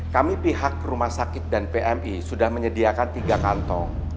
kami pihak rumah sakit dan pmi sudah menyediakan tiga kantong